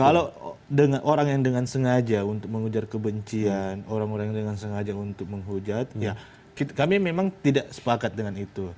kalau orang yang dengan sengaja untuk mengujar kebencian orang orang yang dengan sengaja untuk menghujat ya kami memang tidak sepakat dengan itu